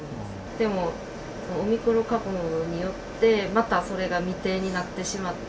でも、オミクロン株によって、またそれが未定になってしまって。